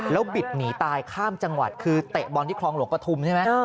แล้วบิดหนีตายข้ามจังหวัดคือเตะบอลที่คลองหลวงปฐุมใช่ไหม